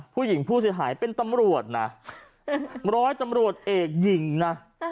ผู้หญิงผู้เสียหายเป็นตำรวจน่ะร้อยตำรวจเอกหญิงน่ะนะฮะ